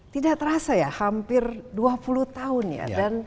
tidak terasa ya hampir dua puluh tahun ya